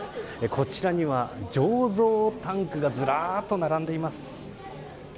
こちらには、醸造タンクがずらっと並んでいます。